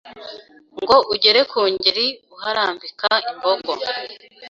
Ngo ugere ku ngeri uharambika ingogo